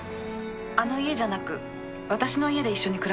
あの家じゃなく私の家で一緒に暮らしませんか？